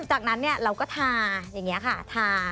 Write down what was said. จากนั้นเราก็ทาอย่างนี้ค่ะทา